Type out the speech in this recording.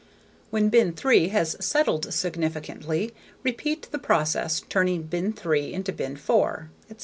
When bin three has settled significantly, repeat the process, turning bin three into bin four, etc.